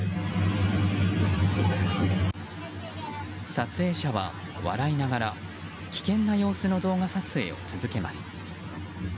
撮影者は、笑いながら危険な様子の動画撮影を続けます。